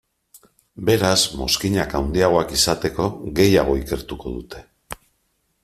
Beraz mozkinak handiagoak izateko, gehiago ikertuko dute.